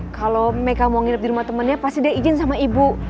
kalau mereka mau nginep di rumah temannya pasti dia izin sama ibu